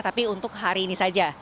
tapi untuk hari ini saja